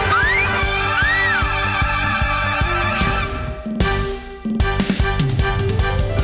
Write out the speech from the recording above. แอร์พันธิลาค่ะ